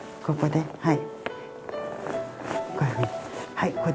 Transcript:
ここではい。